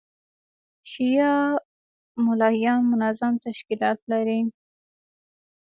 شیعه مُلایان منظم تشکیلات لري.